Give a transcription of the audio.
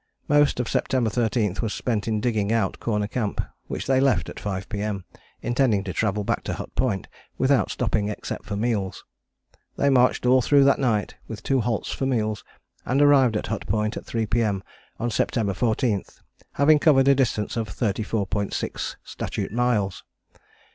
Most of September 13th was spent in digging out Corner Camp which they left at 5 P.M., intending to travel back to Hut Point without stopping except for meals. They marched all through that night with two halts for meals and arrived at Hut Point at 3 P.M. on September 14, having covered a distance of 34.6 statute miles.